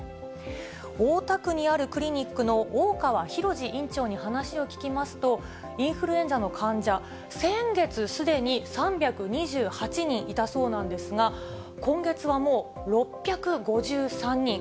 大田区にあるクリニックの大川洋二院長に話を聞きますと、インフルエンザの患者、先月、すでに３２８人いたそうなんですが、今月はもう６５３人。